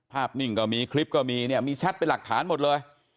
นิ่งก็มีคลิปก็มีเนี่ยมีแชทเป็นหลักฐานหมดเลย